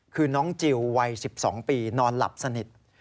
คือน้องจิลวัย๑๒ปีนอนหลับสนิท